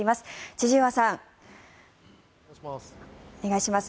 千々岩さん、お願いします。